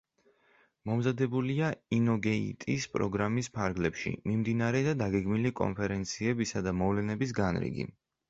მომზადებულია ინოგეიტის პროგრამის ფარგლებში მიმდინარე და დაგეგმილი კონფერენციებისა და მოვლენების განრიგი.